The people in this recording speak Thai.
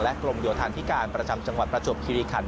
กรมโยธาธิการประจำจังหวัดประจวบคิริขัน